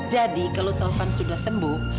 jadi kalau taufan sudah sembuh